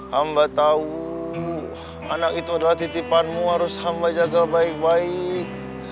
hamba tahu anak itu adalah titipanmu harus hamba jaga baik baik